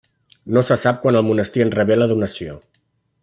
No se sap quan el monestir en rebé la donació.